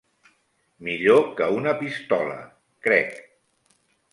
Millor que una pistola, crec.